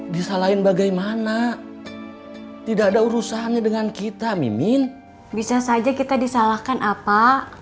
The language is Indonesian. bikin bagaimana tidak ada urusan yang dengan kita mimin bisa saja kita disalahkan apa